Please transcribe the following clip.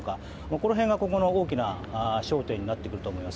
この辺が今後の大きな焦点になってくると思います。